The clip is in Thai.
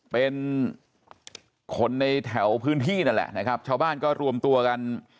เป็นคนในแถวพื้นที่นั่นแหละนะครับชาวบ้านก็รวมตัวกัน